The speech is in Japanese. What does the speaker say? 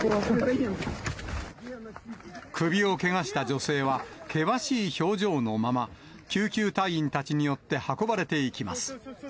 首をけがした女性は、険しい表情のまま、救急隊員たちによって運ばれていきます。